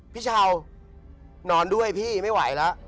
พี่เช้านอนด้วยพี่ไม่ไหวแล้ว